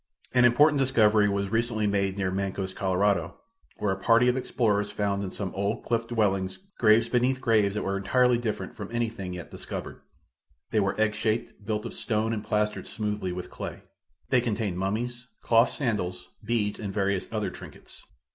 An important discovery was recently made near Mancos, Colorado, where a party of explorers found in some old cliff dwellings graves beneath graves that were entirely different from anything yet discovered. They were egg shaped, built of stone and plastered smoothly with clay. They contained mummies, cloth, sandals, beads and various other trinkets.